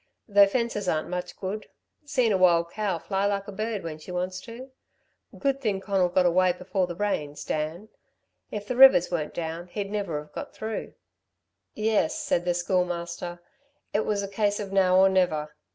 Though fences aren't much good. Seen a wild cow fly like a bird when she wants to. Good thing Conal got away before the rains, Dan. If the rivers were down he'd never've got through." "Yes," said the Schoolmaster. "It was a case of now or never."